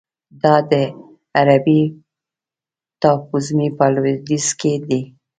دا د عربي ټاپوزمې په لویدیځ کې دی.